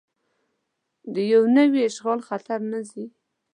د یو نوي اشغال خطر نه ځي.